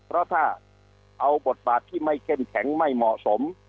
เพราะถ้าเอาบทบาทที่ไม่เข้มแข็งไม่เหมาะสม